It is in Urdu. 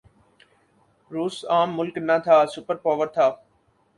روس عام ملک نہ تھا، سپر پاور تھا۔